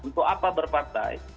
untuk apa berpartai